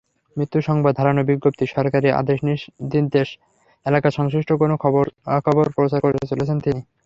মৃত্যুসংবাদ, হারানো বিজ্ঞপ্তি, সরকারি আদেশ-নির্দেশ, এলাকা-সংশ্লিষ্ট কোনো খবরাখবর প্রচার করে চলেছেন তিনি।